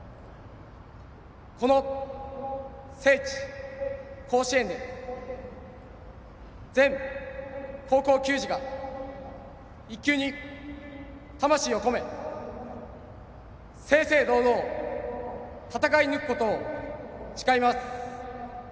この聖地・甲子園で全高校球児が一球に魂を込め正々堂々、戦い抜くことを誓います。